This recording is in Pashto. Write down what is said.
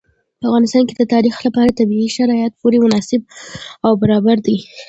په افغانستان کې د تاریخ لپاره طبیعي شرایط پوره مناسب او برابر دي.